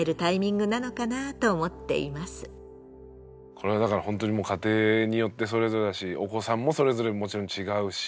これはだから本当にもう家庭によってそれぞれだしお子さんもそれぞれもちろん違うし。